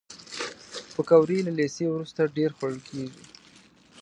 پکورې له لیسې وروسته ډېرې خوړل کېږي